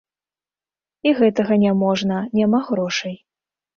І гэтага не можна, няма грошай.